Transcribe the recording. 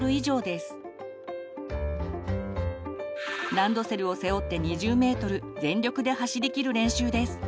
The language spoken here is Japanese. ランドセルを背負って２０ｍ全力で走りきる練習です。